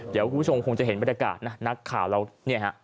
เดี๋ยวผู้ชมคงจะเห็นบรรยากาศนะนักข่าวแล้ว